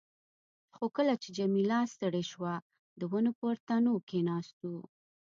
خو کله چې جميله ستړې شوه، د ونو پر تنو کښېناستو.